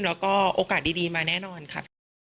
แล้วก็โอกาสดีมาแน่นอนค่ะ